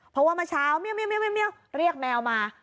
เพราะว่าเมื่อเช้าเรียกแมวมา